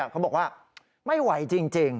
เขาบอกว่าไม่ไหวจริง